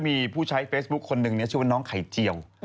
มีผู้ใช้เฟซบุ๊คคนหนึ่งชื่อว่าน้องไข่เจียว